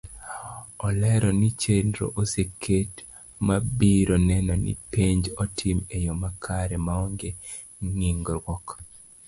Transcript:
Olero ni chenro oseket mabiro neno ni penj otim eyo makre maonge ngikruok.